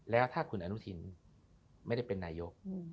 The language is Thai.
แล้วถ้าคุณอนุทินไม่ได้เป็นนายก